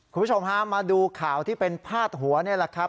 คุณผู้ชมฮะมาดูข่าวที่เป็นพาดหัวนี่แหละครับ